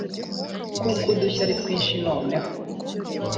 kuko udushya ari twinshi noneho